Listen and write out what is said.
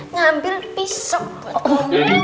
ngambil pisau buat gua